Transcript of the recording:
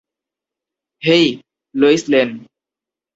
Hey, Lois lane.